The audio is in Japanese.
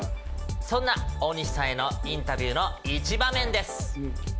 そんな大西さんへのインタビューの一場面です。